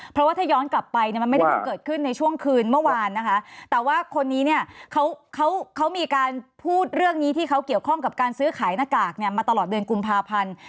เพราะว่าถ้าย้อนกลับไปเนี่ยมันไม่ได้เพิ่งเกิดขึ้นในช่วงคืนเมื่อวานนะคะแต่ว่าคนนี้เนี่ยเขาเขามีการพูดเรื่องนี้ที่เขาเกี่ยวข้องกับการซื้อขายหน้ากากเนี่ยมาตลอดเดือนกุมภาพันธ์